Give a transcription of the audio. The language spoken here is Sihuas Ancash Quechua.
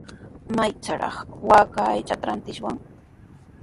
¿Maytrawraq waaka aychata rantishwan?